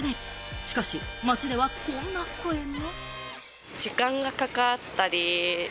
しかし街ではこんな声も。